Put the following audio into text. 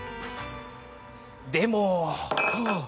でも。